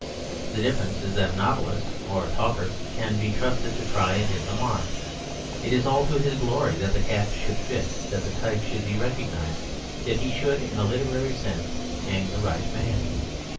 The difference is that a novelist or a talker can be trusted to try and hit the mark; it is all to his glory that the cap should fit, that the type should be recognised; that he should, in a literary sense, hang the right man.